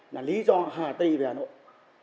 là lý do hạ tình về hà nội